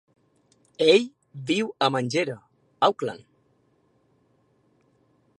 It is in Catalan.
Ell viu a Mangere, Auckland.